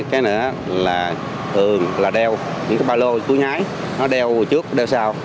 cái nữa là thường đeo những cái ba lô cuối nhái nó đeo trước đeo sau